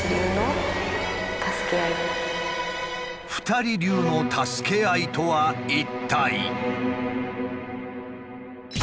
２人流の助け合いとは一体？